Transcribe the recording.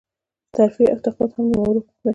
ترفيع او تقاعد هم د مامور حقوق دي.